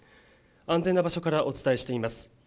安全な場所からお伝えしています。